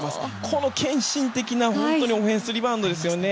この献身的なオフェンスリバウンドですよね。